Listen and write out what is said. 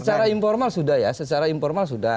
secara informal sudah ya secara informal sudah